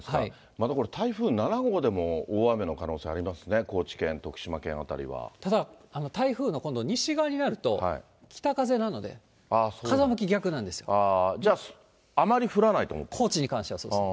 またこれ台風７号でも大雨の可能性ありますね、高知県、徳島県辺ただ、台風の今度、西側になると、北風なので、じゃあ、高知に関してはそうです。